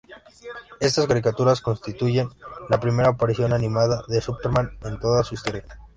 Estas caricaturas constituyen la primera aparición animada de "Superman" en toda su historia.